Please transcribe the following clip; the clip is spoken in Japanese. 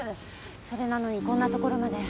それなのにこんなところまで。